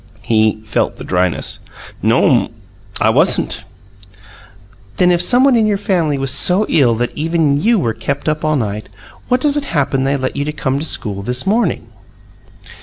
He felt the dryness. "No'm; I wasn't." "Then if someone in your family was so ill that even you were kept up all night, how does it happen they let you come to school this morning?"